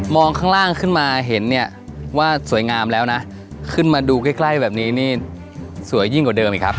ข้างล่างขึ้นมาเห็นเนี่ยว่าสวยงามแล้วนะขึ้นมาดูใกล้ใกล้แบบนี้นี่สวยยิ่งกว่าเดิมอีกครับ